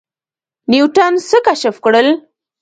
نیوټن څه کشف کړل؟